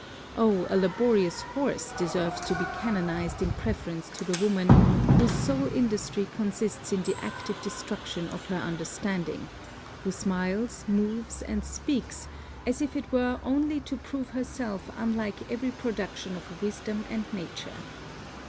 Oh, a laborious horse deserves to be canonized in preference to the woman whose sole industry consists in the active destruction of her understanding, who smiles, moves, and speaks, as it were only to prove herself unlike every production of wisdom and nature.